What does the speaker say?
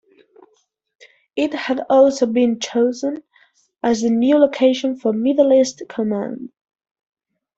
It had also been chosen as the new location for Middle East Command.